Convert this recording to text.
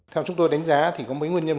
theo chúng tôi đánh giá thì có mấy nguyên nhân